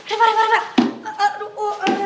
aduh aduh aduh